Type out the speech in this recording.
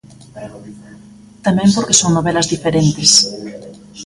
Tamén porque son novelas diferentes.